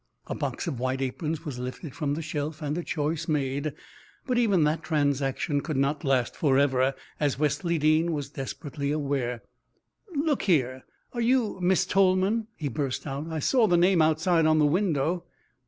A box of white aprons was lifted from the shelf and a choice made, but even that transaction could not last forever, as Wesley Dean was desperately aware. "Look here, are you Miss Tolman?" he burst out. "I saw the name outside on the window."